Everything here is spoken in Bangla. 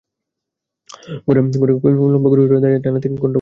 ঘরের লম্বা করিডরে দাঁড়িয়ে টানা তিন ঘণ্টা ফোনে কথা বলতে হয়েছিল তাঁকে।